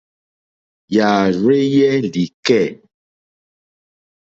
Yààrzéyɛ́ lìkɛ̂.